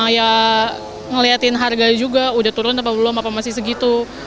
ya ngeliatin harga juga udah turun apa belum apa masih segitu